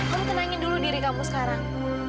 kamu tenangin dulu diri kamu sekarang